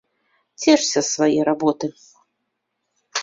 Цешся з свае работы!